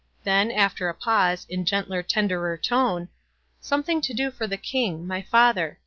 Then, after a pause, in gentler, tenderer tone, "Something to do for the King, my Father.